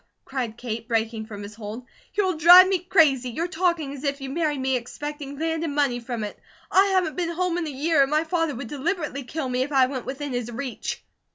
cried Kate, breaking from his hold. "You will drive me crazy! You're talking as if you married me expecting land and money from it. I haven't been home in a year, and my father would deliberately kill me if I went within his reach."